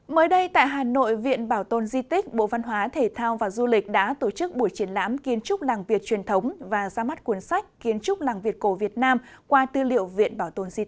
mới đây tại hà nội viện bảo tồn di tích bộ văn hóa thể thao và du lịch đã tổ chức buổi triển lãm kiến trúc làng việt truyền thống và ra mắt cuốn sách kiến trúc làng việt cổ việt nam qua tư liệu viện bảo tồn di tích